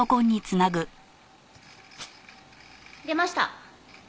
出ました。